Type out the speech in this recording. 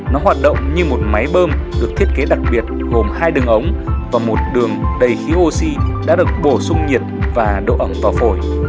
nó hoạt động như một máy bơm được thiết kế đặc biệt gồm hai đường ống và một đường đầy khí oxy đã được bổ sung nhiệt và độ ẩm vào phổi